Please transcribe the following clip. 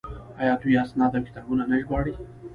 آیا دوی اسناد او کتابونه نه ژباړي؟